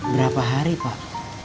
berapa hari pak